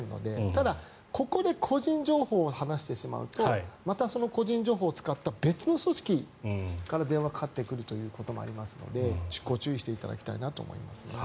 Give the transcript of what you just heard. ただ、ここで個人情報を話してしまうとまた、その個人情報を使った別の組織から電話がかかってくるということもあるのでご注意していただきたいなと思いますね。